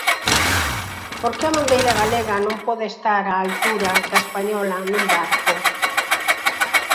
Por que a bandeira galega non pode estar á altura da española nun barco?